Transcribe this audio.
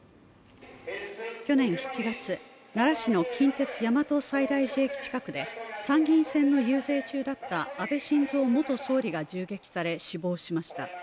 去年７月、奈良市の近鉄・大和西大寺駅近くで参議院選の遊説中だった安倍晋三元総理が銃撃され死亡しました。